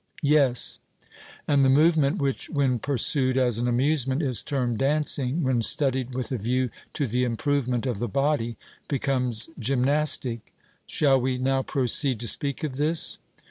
'Yes.' And the movement which, when pursued as an amusement, is termed dancing, when studied with a view to the improvement of the body, becomes gymnastic. Shall we now proceed to speak of this?